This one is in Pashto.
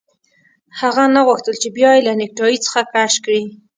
هغه نه غوښتل چې بیا یې له نیکټايي څخه کش کړي